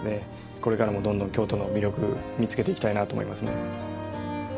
これからもどんどん京都の魅力見つけていきたいなと思いますね。